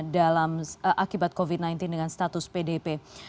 dalam akibat covid sembilan belas dengan status pdp